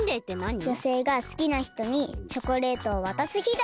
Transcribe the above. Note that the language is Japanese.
じょせいがすきなひとにチョコレートをわたすひだよ。